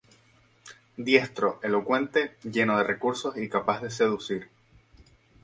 Diestro, elocuente, lleno de recursos y capaz de seducir.